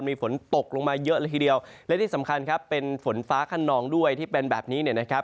มีฝนตกลงมาเยอะเลยทีเดียวและที่สำคัญครับเป็นฝนฟ้าขนองด้วยที่เป็นแบบนี้เนี่ยนะครับ